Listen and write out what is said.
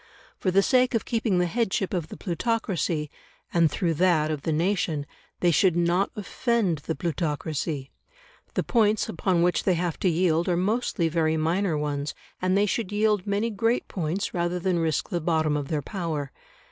For the sake of keeping the headship of the plutocracy, and through that of the nation, they should not offend the plutocracy; the points upon which they have to yield are mostly very minor ones, and they should yield many great points rather than risk the bottom of their power.